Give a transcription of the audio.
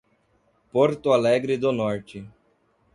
Porto Alegre do Norte